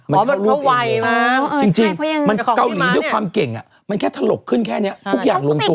อ๋อเหมือนเพราะวัยมั้ยจริงมันเกาหลีด้วยความเก่งมันแค่ถลกขึ้นแค่เนี่ยทุกอย่างรวมตัวหมดแล้ว